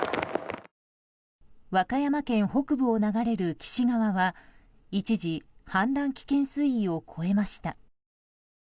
和歌山県北部を流れる貴志川は一時、氾濫危険水位を越えました。